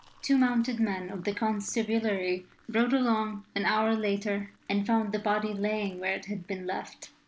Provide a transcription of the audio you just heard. Two mounted men of the Constabulary rode along an hour later and found the body lying where it had been left.